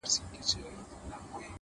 غاړه راکړه; خولگۍ راکړه; بس دی چوپ سه;